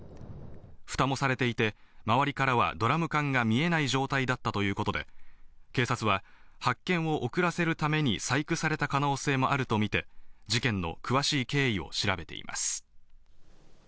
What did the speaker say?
ふたもされていて、周りからはドラム缶が見えない状態だったということで、警察は発見を遅らせるために細工された可能性もあると見て、事件の詳しい経緯を調べています。